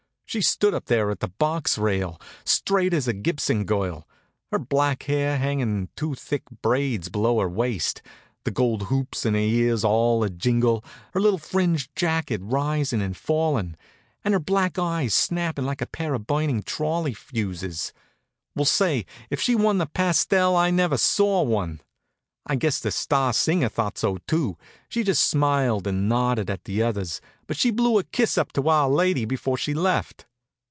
She stood up there at the box rail, straight as a Gibson girl, her black hair hangin' in two thick braids below her waist, the gold hoops in her ears all ajiggle, her little fringed jacket risin' and fallin', and her black eyes snappin' like a pair of burning trolley fuses. Well, say, if she wa'n't a pastelle I never saw one! I guess the star singer thought so, too. She'd just smiled and nodded at the others, but she blew a kiss up to our lady before she left.